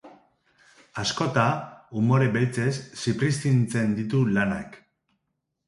Askota, umore beltzez zipriztintzen ditu lanak.